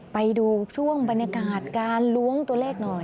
ไปดูช่วงบรรยากาศการล้วงตัวเลขหน่อย